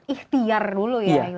ihtiar dulu ya ilmu